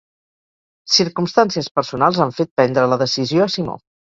Circumstàncies personals han fet prendre la decisió a Simó